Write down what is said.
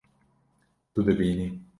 Tu dibînî